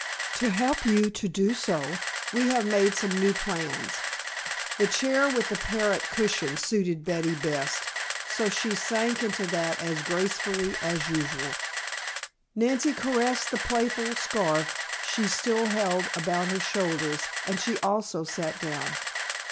To help you to do so, we have made some new plans." The chair with the parrot cushion suited Betty best, so she sank into that as gracefully as usual. Nancy caressed the playful scarf she still held about her shoulders and she, also, sat down.